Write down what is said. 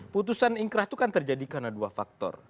putusan ingkrah itu kan terjadi karena dua faktor